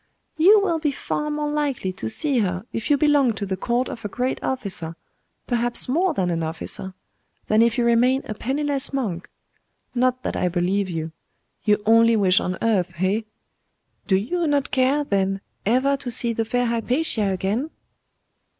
'You will be far more likely to see her if you belong to the court of a great officer perhaps more than an officer than if you remain a penniless monk. Not that I believe you. Your only wish on earth, eh? Do you not care, then, ever to see the fair Hypatia again?